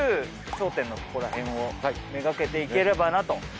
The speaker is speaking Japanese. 頂点のとこら辺を目がけていければなと。